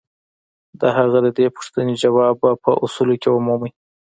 د هغه د دې پوښتنې ځواب به په اصولو کې ومومئ.